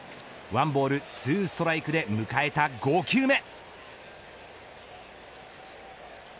１ボール２ストライクで迎えた５球目。